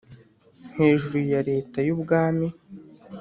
hejuru ya leta y'ubwami